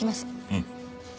うん。